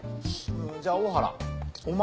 じゃあ大原お前